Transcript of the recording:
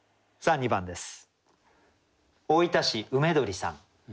２番です。